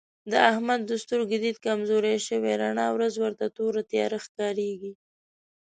د احمد د سترګو دید کمزوری شوی رڼا ورځ ورته توره تیاره ښکارېږي.